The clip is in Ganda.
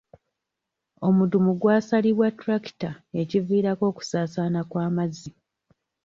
Omudumu gwasalibwa ttulakita ekiviirako okusaasaana kw'amazzi.